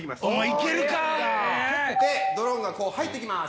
行けるか⁉ドローンがこう入ってきます